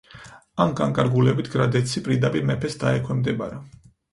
ამ განკარგულებით გრადეცი პირდაპირ მეფეს დაექვემდებარა.